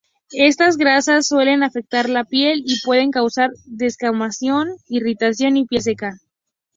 Estas grasas suelen afectar la piel y pueden causar descamación, irritación y piel seca.